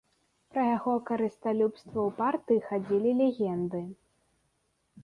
Пра яго карысталюбства ў партыі хадзілі легенды.